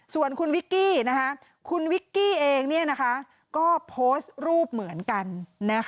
ส่วนคุณวิกกี้คุณวิกกี้เองก็โพสต์รูปเหมือนกัน